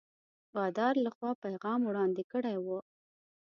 بادار له خوا پیغام وړاندي کړی وو.